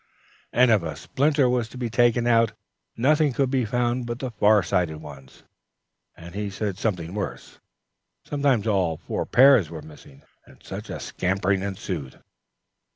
and if a splinter was to be taken out, nothing could be found but the far sighted ones, and he said something worse: sometimes all four pairs were missing, and such a scampering ensued!